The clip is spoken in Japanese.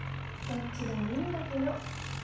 どっちでもいいんだけど。